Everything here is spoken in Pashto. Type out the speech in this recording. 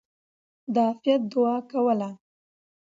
د عافيت دعاء کوله!!.